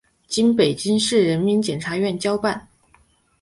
经北京市人民检察院交办